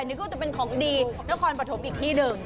อันนี้ก็จะเป็นของดีถ้าควรประทบอีกที่หนึ่ง